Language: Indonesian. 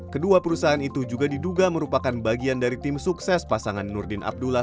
kedua perusahaan itu juga diduga merupakan bagian dari tim sukses pasangan nurdin abdullah